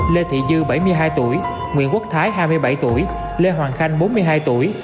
lê thị dư bảy mươi hai tuổi nguyễn quốc thái hai mươi bảy tuổi lê hoàng khanh bốn mươi hai tuổi